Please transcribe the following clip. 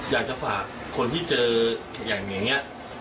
อยากจะฝากคนที่เจออย่างนี้